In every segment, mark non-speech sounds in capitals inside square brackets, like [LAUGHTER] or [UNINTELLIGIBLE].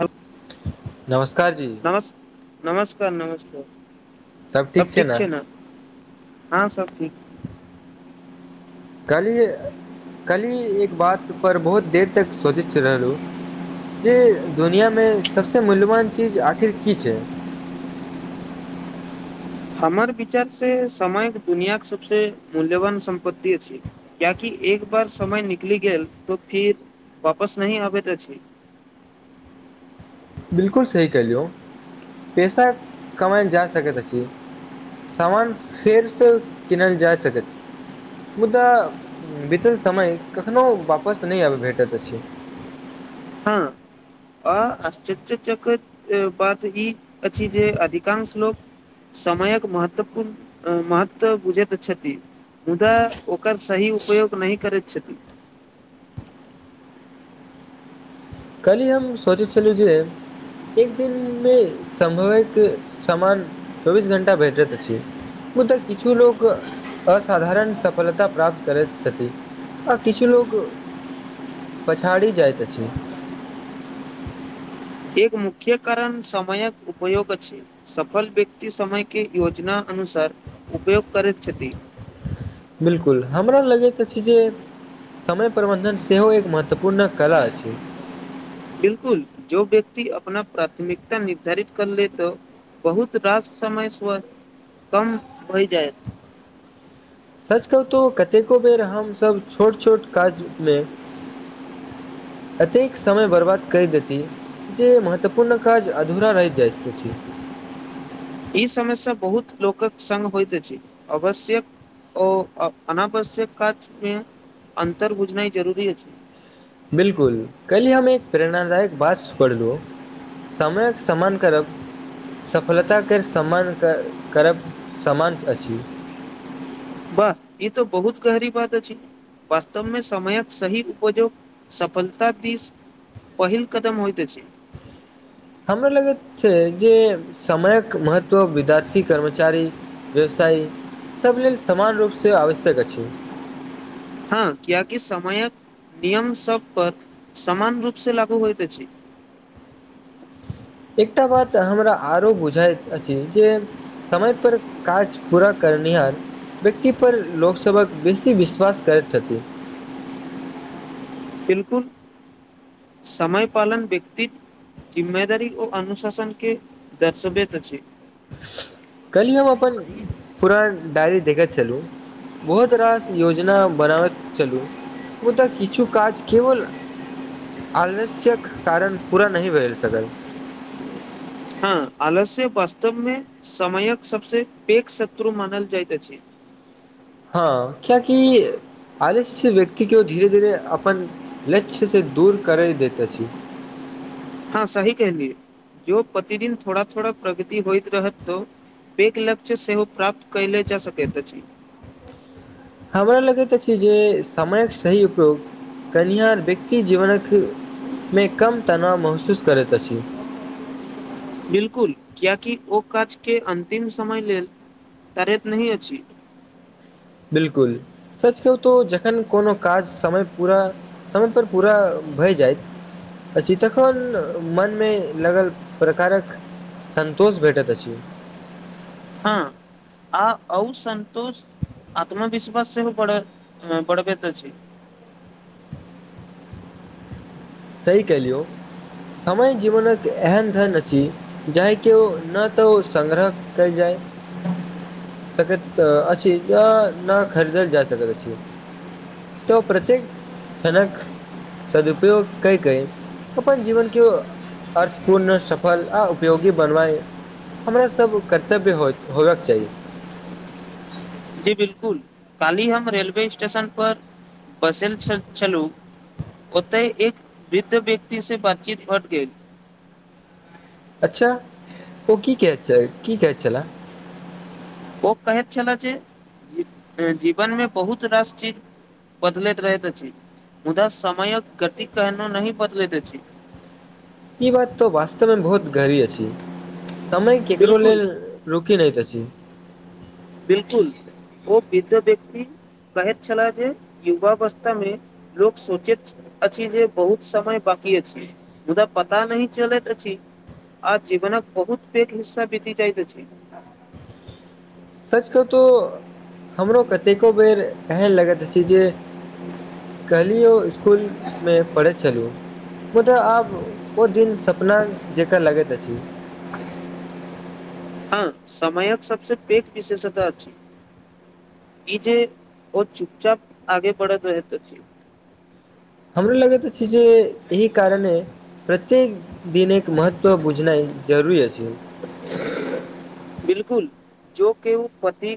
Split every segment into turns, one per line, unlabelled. Hello,
नमस्कार जी
नमस् नमस्कार नमस्कार
सभ ठीक छै ने
हँ सब ठीक छै।
कल्हि कल्हि एक बातपर बहुत देर तक सोचैत छ रहलू जे दुनियामे सबसे मूल्यवान चीज आखिर की छै [UNINTELLIGIBLE]
हमर विचार से समय दुनिया के सबस मूल्यवान सम्पत्ति अछि कियाकि एक बार समय निकलि गेल त फिर वापस नहि आबेत अछी
[UNINTELLIGIBLE] बिल्कुल सही कलियौ पैसा कमैयल जा सकैत अछि सामान फेरसँ किनल जा सकैत मुदा बीतल समय कखनो वापस नहि आबय भेटैत अछि [UNINTELLIGIBLE]
हँ आ आश्चर्यचकित बात ई अछि जे अधिकांश लोक समयक महत्वपूर्ण महत्व बुजैथ छथि मुदा ओकर सही उपयोग नहि करैत छथि
[UNINTELLIGIBLE] कल्हि हम सोचे छलू जे एक दिन मे समैयक समान चौबीस घंटा भेटैत अछि उ तऽ किछु लोक असाधारण सफलता प्राप्त करैत छथि आ किछु लोक पछाड़ी जाइत अछि
एक मुख्य कारण समैयक उपयोग अछि सफल व्यक्ति समय के योजना अन उपयोग करैत छथि
बिल्कुल हमरा लगैत अछि जे समय प्रबन्धन सेहो एक महत्वपूर्ण कला अछि
बिल्कुल जो व्यक्ति अपना प्राथमिकता निर्धारित कर ले तऽ बहुत रास समय स कम भय जायत
[UNINTELLIGIBLE] सच कहू तो कतेको बेर हमसब छोट छोट काज मे कतेक एक समय बर्बाद कैय देति जे महत्वपूर्ण काज अधूरा रहि जाइत अछि
ई समस्या बहुत लोकक संगङ्ग होइत अछि आवश्यक ओ अनावश्यक काज मे अंतर बुझनैय जरूरी अछि
बिल्कुल कहि हम एक प्रेरणादायक बात सुनलु समयक समान करब सफलताके सम्मान करब समान अछि
बाह ई त बहुत गहरी बात अछि वास्तवमे समयक सही उपयोग सफलता दिस पहिल कदम होइत अछि
हमरा लगैत छै जे समयक महत्व विद्यार्थी कर्मचारी व्यवसाय सभ लेल समान रूपसँ आवश्यक अछि
हँ कियाकि समयक नियम सब पर समान रूपसँ लागू होइत अछि
[UNINTELLIGIBLE] एकटा बात हमरा आरो बुझाइत अछि जे समय पर काज पूरा कर करनिहार व्यक्ति पर लोक सभक बेसी विश्वास करैत छथि [UNINTELLIGIBLE]
बिल्कुल समयपालन व्यक्ति जिम्मेदारी ओ अनुशासन के दर्शाबैत अछि
कल्हि हम अपन पूरा डायरी देखैत छलहुँ बहुत रास योजना बनाबैत चलू मुदा किछु काज के बल आलस्यक कारण पूरा नहि भेल सकल
हँ आलस्य वास्तव मे समयक सबसँ पैघ शत्रु मानल जाइत अछि
हँ कियाकि आलस्य व्यक्ति के धीरे धीरे अपन लक्षय से दूर करै देत अछि [UNINTELLIGIBLE]
हँ सही कहलिय जो प्रतिदिन थोड़ा थोड़ा प्रगति होइत रहत त पेघ लक्षय सेहो प्राप्त कइल जा सकत अछि
[UNINTELLIGIBLE] हमरा लगैत अछि जे समयक सही उपयोग कनिहार व्यक्ति जीवनक मे कम तनाव महसूस करैत अछि
बिल्कुल कियाकि ओ काज के अन्तिम समय लेल तरैत नहि अछि
बिल्कुल सचकहु तो जखन कोनो काज समय पूरा समय पर पूरा भय जाइत अछि तखन मनमे लगल प्रकारक संतोष भेटत अछि
हँ आ असन्तोष आत्मविश्वास सेहो बड़ बड़ भत अछि
[INAUDIBLE] सही कहलियौ समय जीवनके एहन धन अछि जाहि के नहि तऽ ओ संग्रह कल जाय सकत अछि ज न खरीद जा सकैत अछि तो प्रत्येक जनक सदुपयोग ककेै अपन जीवन के अर्थपूर्ण सफल आ उपयोगी बनवए हमरा सभ कर्तव्य हो होयबाक चाही
जी बिलकुल कालहि हम रेलवे स्टेशन पर बसल छल छललू ओतय एक वृद्ध व्यक्ति से बातचीत हट गेल
अच्छा ओ की कहत की कहत छला
ओ कहैत छलए जे जीवनमे बहुत रास चीज बदलैत रहत अछि मुदा समयक गति कना नहि बदलत अछि
ई बात तो वास्तव मे बहुत गहरी अछि समय केकरो
बिलकुल
लेल रुकि नहिइत अछि जी
बिलकुल ओ बीजा व्यक्ति कहैत छ जे युवावस्था मे लोक सोचैत अछि जे बहुत समय बा की अछि मुदा पता नहि चलैत अछि आ जीवनक बहुत पैघ हिस्सा बीति जाइत अछि
[INAUDIBLE] सच कतहु हमरो कतेको बेर एहन लगैत अछि जे कहलियौ इसकुलमे पढ़ैत छलहु मुदा आब ओ दिन सपना जेका लगैत अछि [INAUDIBLE]
हँ समयक सबसे पैघ विशेषता अछि बीजे ओ चुपचाप आगे बढ़ैत रहैत अछि
हमरा लगैत अछि जे एहि कारणे प्रत्येक दिन एक महत्व बुझनाइ जरूरी अछि
बिलकुल जो केओ पति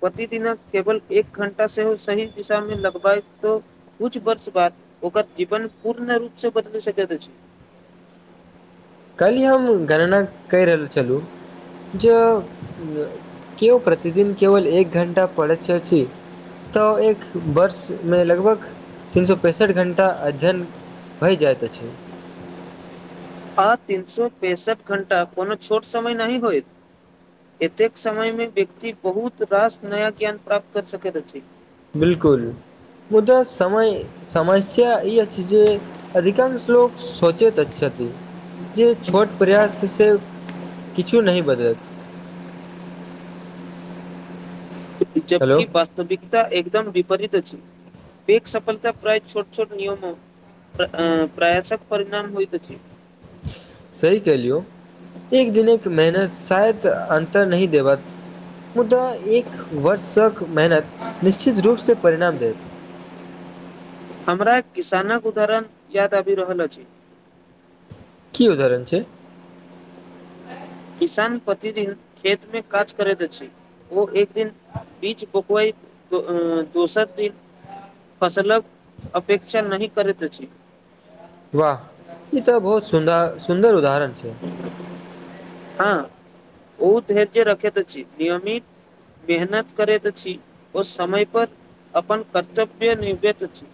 प्रतिदिन केवल एक घण्टा सेहो सही दिशा मे लगबाए त कुछ वर्ष बाद ओकर जीवन पूर्ण रूपसँ बदलि सकैत अछि
काल्हि हम गणना कहि रहल छलहुँ जे केओ प्रतिदिन केवल एक घंटा पड़थ छथि तऽ एक वर्षमे लगभग तीन सए पैंसठ घण्टा अध्ययन भइ जाइत अछि
आ तीन सो पेंसठ घंटा कोनो छोट समय नहि होयत एतेक समय मे व्यक्ति बहुत रास नया ज्ञान प्राप्त कर सकैत अछि
बिलकुल मुदा समय समस्या ई अछि जे अधिकांश लोको सोचैत अछि जे छोट प्रयास से किछु नहि बदलत [INAUDIBLE]
जबकि
हेलो
वास्तविकता एकदम विपरीत अछि पेघ सफलता प्रायत छोट छोट नियमो प्रयासक परिणाम होइ त अछि
सही कहलियौ एक दिन एक मेहनत शायद अन्तर नहि देबत मुदा एक वर्षसँक मेहनत निश्चित रूपसँ परिणाम देत
हमरा किसानक उदाहरण याद आबि रहल अछि
की उदाहरण छै
किसान प्रतिदिन खेत मे काज करैत अछि ओ एक दिन बीच बोकवई दोसर दिन फसलक अपेक्षा नहि करैत अछि
वाह ई तऽ बहुत सुन्दर सुन्दर उदरण छै
हँ उ धैर्य रखैत अछि नियमित मेहनत करैत छी ओ समय पर अपन कर्तव्य निभबेत अछि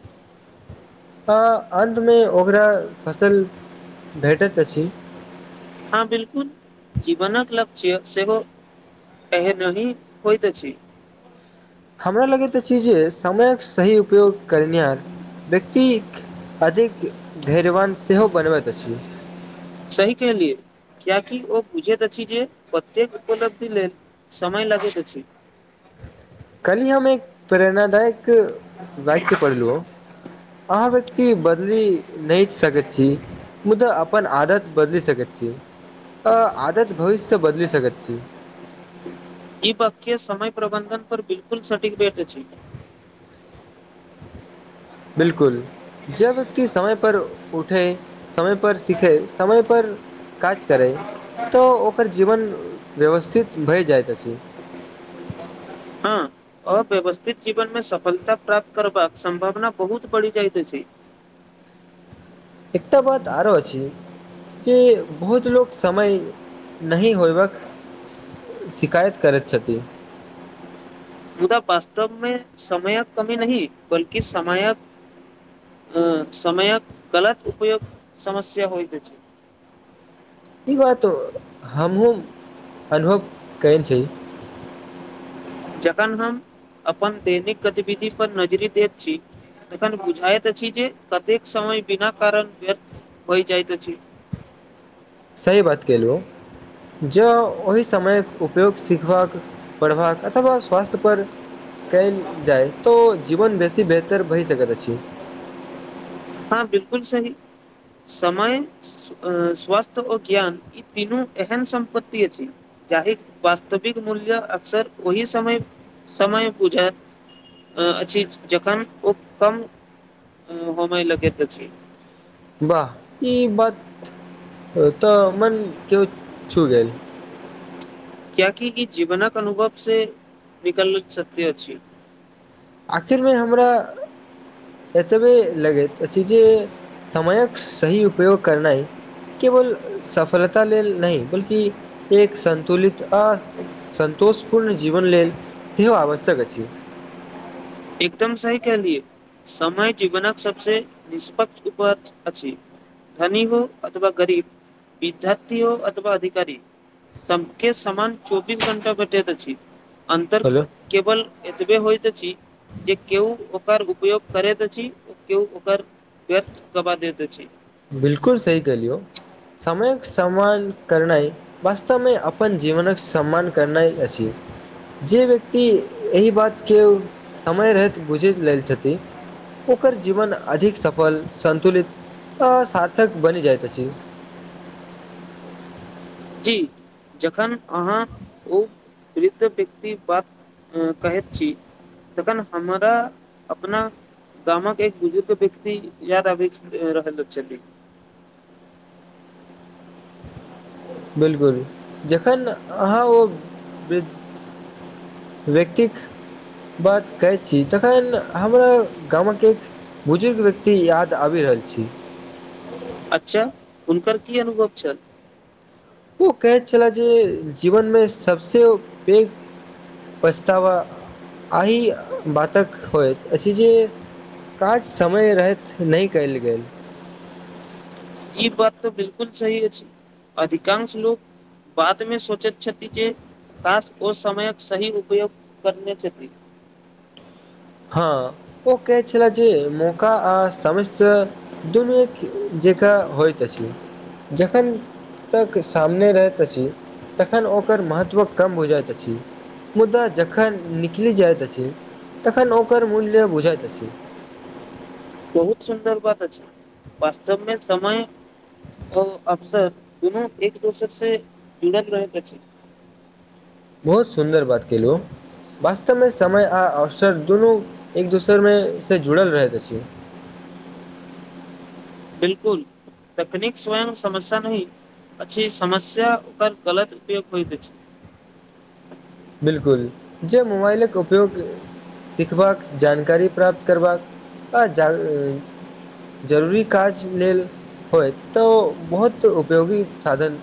[UNINTELLIGIBLE] अन्तमे ओकरा फसल भेटैत अछि
हँ बिल्कुल जीवनक लक्ष्य सेहो ह नी होइत त छै
हमरा लगैत अछि जे समयक सही उपयोग करनिहार व्यक्तिक अधिक धैर्यवान सेहो बनबैत अछि
सही कलियए कियाकि ओ बुझैत अछि जे प्रत्येक उपलब्धि लेल समय लगैत अछि
कल्हि हम एक प्रेरणादायक वाक्य पढ़लहु ह अहाँ व्यक्ति बदलि नहि सकैत छी मुदा पन आदत बदलि सकै छी अ आदत भविष्य बदलि सकै त छी
ईपख समय प्रबंधक पर बिल्कुल सटीक डेट छै
बिल्कुल जब कि समय पर उठे समय पर सीखे समय पर काज करे तऽ ओकर जीवन व्यवस्थित भए जाइत अछि
हँ अव्यवस्थित जीवन में सफलता प्राप्त करबाक सम्भावना बहुत बढ़ि जाइत अछि [UNINTELLIGIBLE]
एकटा बात आरो अछि जे बहुत लोक समय नहि होयबाक सी शिकायत करैत छथिन
मुदा वास्तवमे समयक कमी नहि बल्कि समयक अ समयक गलत उपयोग समस्या होइत अछि
ई बात हमहुँ अनुभव कैन छी
जखन हम अपन दैनिक गतिविधि पर नजरी दैत छी तखन बुझाइत अछि जे कतेक समय बिना कारण व्यर्थ होइ जाइत अछि
सही बात कहलू हो जँ ओहि समयक उपयोग सिखबाक पढ़बाक अथवा स्वास्थ्य पर क‌एल जाय तो जीवन बेसी बेहतर भहि सकैत अछि
हँ बिल्कुल सही समय स्वास्थ्य आ ज्ञान ई तीनू एहन सम्पत्ति अछि जाहि वास्तविक मूल्य अक्सर ओहि समय समय बुझाऐत अछि जखन ओ कम होबय लगैत अछि
वाह ई बात ओ तऽ मन के छू गल
कियाकि कि ई जीवनक अनुभव से निकले सत्य छी
आखिर मे हमरा एतबे लगेैत अछि जे समयक सही उपयोग करनाई केवल सफलता लेल नहि बल्कि एक संतुलित आ संतोष पूर्ण जीवन लेल सेहो आवश्यक अछि
एकदम सही कलियए समय जीवनक सबस निष्पक्ष उपज अछि धनी हो अथवा गरीब विद्याथी हो अथवा अधिकारी सबके समान चौबीस घंटा घटैत अछि अंतर
हेलो
केवल एतबे होइत अछि जे केहु ओकर उपयोग करैत अछि केहु ओकर व्यर्थ गंबा दैत अछि
बिलकुल सही कहलियौ समयक सम्मान करनाइ वास्तवमे अपन जीवनक सम्मान करनाइ अछि जे व्यक्ति एहि बातके समय रहैत बुझि लेल छथि ओकर जीवन अधिक सफल संतुलित आ सार्थक बनि जाएत अछि
जी जखन अहाँ ओ वृद्ध व्यक्ति बात कहैत छी तखन हमरा अपना गामक एक बुजुर्ग व्यक्ति याद आबि रहल छलि
[INAUDIBLE] बिलकुल जखन आहाँ ओ विध व्यक्तिक बात कहैत छी तखन हमरा गामक एक बुजुर्ग व्यक्ति याद आबि रहल छी
अच्छा हुनकर की अनुभव छल
ओ कहैत छलै जे जीवनमे सबसे पैघ पछतावा अहि बातक होयत अछि जे काज समय रहैत नहि कयल गेल
ई बात तऽ बिलकुल सही अछि अधिकांश लोक बाद मे सोचैत छथि जे काश ओ समयक सही उपयोग करने छथि
हँ ओ कहै छलै जे मौका आ समस्या दुनू एक जेकाँ होइत अछि जखन तक सामने रहैत अछि तखन ओकर महत्व कम हो जाइत अछि मुदा जखन निकलि जायत अछि तखन ओकर मूल्य बुझाइत अछि
बहुत सुन्दर बात अछि वास्तवमे समय ओ अफसर दुन्नो एक दोसर से जुड़ल रहैत अछि
बहुत सुन्दर बात केलु ह वास्तवमे समय आ अवसर दुनू एक दोसरमे से जुड़ल रहैत अछि [INAUDIBLE]
बिलकुल तकनीक स्वयं समस्या नहि अछि समस्या ओकर गलत उपयोग होइत अछि
[INAUDIBLE] बिलकुल जे मोबाइलक उपयोग सिखबाक जानकारी प्राप्त करबाक आ जहि जरूरी काज लेल होयत तऽ ओ बहुत उपयोगी साधन